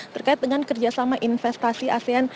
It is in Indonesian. terkait dengan kerjasama investasi asean